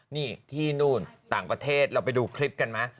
นี่ที่นู่นต่างประเทศเราไปดูคลิปกันไหม